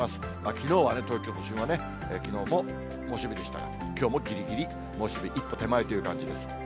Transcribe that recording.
きのうは東京都心はね、きのうも猛暑日でしたが、きょうもぎりぎり猛暑日一歩手前という感じです。